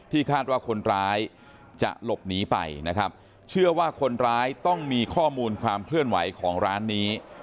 คาดว่าคนร้ายจะหลบหนีไปนะครับเชื่อว่าคนร้ายต้องมีข้อมูลความเคลื่อนไหวของร้านนี้